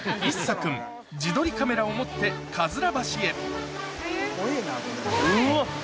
君自撮りカメラを持ってかずら橋へうわ！